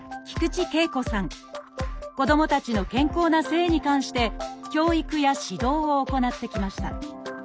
子どもたちの健康な性に関して教育や指導を行ってきました。